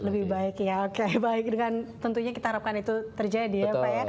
lebih baik ya oke baik dengan tentunya kita harapkan itu terjadi ya pak ya